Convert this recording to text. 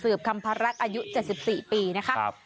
สืบคำพระรักษณ์อายุ๗๔นะครับ